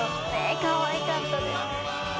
かわいかったです。